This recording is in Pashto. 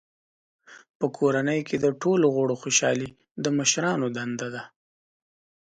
په کورنۍ کې د ټولو غړو خوشحالي د مشرانو دنده ده.